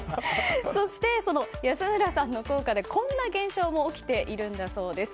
そして、その安村さんの効果でこんな現象も起きているんだそうです。